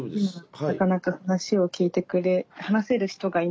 はいなかなか話を聞いてくれ話せる人がいないことで。